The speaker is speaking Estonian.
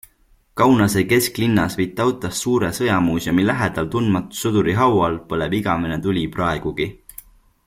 Kaunase kesklinnas Vytautas Suure sõjamuuseumi lähedal Tundmatu sõduri haual põleb igavene tuli praegugi.